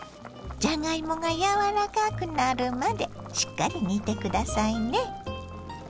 じゃがいもが柔らかくなるまでしっかり煮て下さいね。